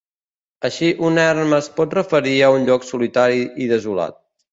Així un erm es pot referir a un lloc solitari i desolat.